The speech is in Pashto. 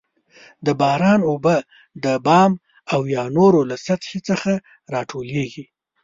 د باران اوبه د بام او یا نورو له سطحې څخه راټولیږي.